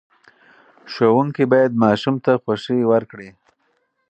ښوونکي باید ماشوم ته خوښۍ ورکړي.